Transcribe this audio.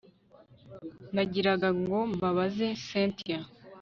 nagiraga ngo mbabaze cyntia